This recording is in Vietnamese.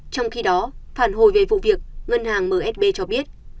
trong khi đó phản hồi về vụ việc ngân hàng msb cho biết